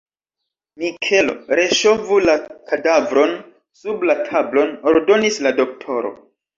Mikelo, reŝovu la kadavron sub la tablon, ordonis la doktoro.